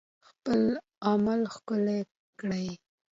خپل عمل ښکلی کړئ